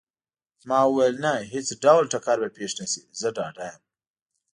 ما وویل: نه، هیڅ ډول ټکر به پېښ نه شي، زه ډاډه یم.